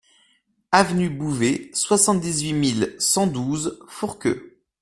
Avenue Bouvet, soixante-dix-huit mille cent douze Fourqueux